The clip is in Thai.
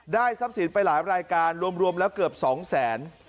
ทรัพย์สินไปหลายรายการรวมแล้วเกือบ๒แสน